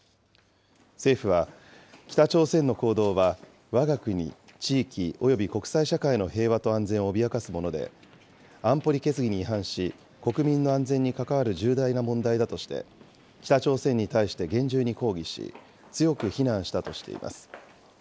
政府は、北朝鮮の行動はわが国、地域、および国際社会の平和と安全を脅かすもので、安保理決議に違反し、国民の安全に関わる重大な問題だとして、北朝鮮に対して厳重に抗議し、強く非難したとしています。